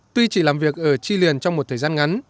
tuy chỉ làm việc ở chi liền trong một thời gian ngắn